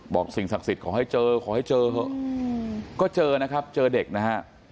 สิ่งศักดิ์สิทธิ์ขอให้เจอขอให้เจอเถอะก็เจอนะครับเจอเด็กนะฮะ